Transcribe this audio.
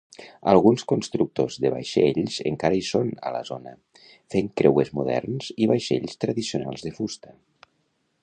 Alguns constructors de vaixells encara hi són a la zona, fent creuers moderns i vaixells tradicionals de fusta.